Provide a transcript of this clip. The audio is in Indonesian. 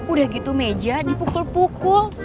udah gitu meja dipukul pukul